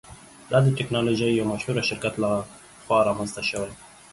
دا د ټیکنالوژۍ یو مشهور شرکت لخوا رامینځته شوی.